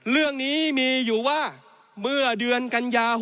เรื่องนี้มีอยู่ว่าเมื่อเดือนกันยา๖๖